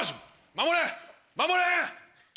守れ守れ！